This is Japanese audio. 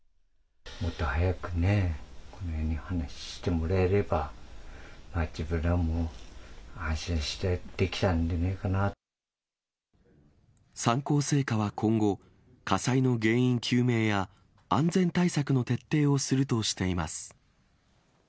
もっと早くね、このように話してもらえれば、自分らも安心してできたんじゃな三幸製菓は今後、火災の原因究明や、安全対策の徹底をするとしています。